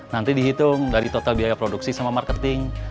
nanti dihitung dari total biaya produksi sama marketing